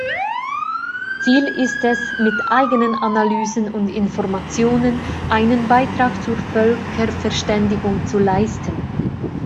Ziel ist es mit eigenen Analysen und Informationen einen Beitrag zur Völkerverständigung zu leisten.